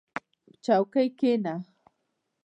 • په چوکۍ کښېنه.